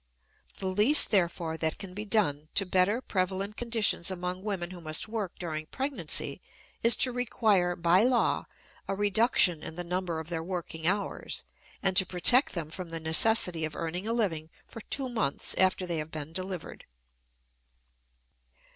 The least, therefore, that can be done to better prevalent conditions among women who must work during pregnancy is to require by law a reduction in the number of their working hours, and to protect them from the necessity of earning a living for two months after they have been delivered.